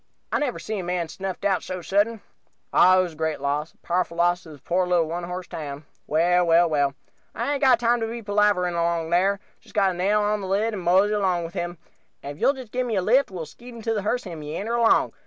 "I never see a man snuffed out so sudden. Ah, it was a great loss a, powerful loss to this poor little one horse town. Well, well, well, I hain't got time to be palavering along here got to nail on the lid and mosey along with him; and if you'll just give me a lift we'll skeet him into the hearse and meander along.